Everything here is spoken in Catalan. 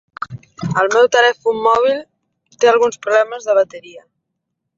El meu telèfon mòbil té alguns problemes de bateria.